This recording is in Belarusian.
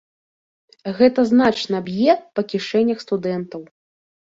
Гэта значна б'е па кішэнях студэнтаў.